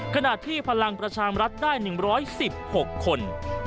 ขณะที่พลังประชามรัฐได้๑๑๖คน